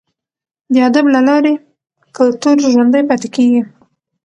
د ادب له لارې کلتور ژوندی پاتې کیږي.